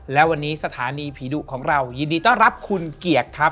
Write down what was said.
และวันนี้สถานีผีดุของเรายินดีต้อนรับคุณเกียรติครับ